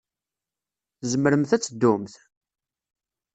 Tzemremt ad teddumt?